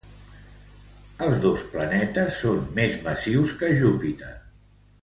Els dos planetes són més massius que Júpiter.